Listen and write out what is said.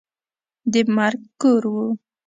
د مرګ کور وو.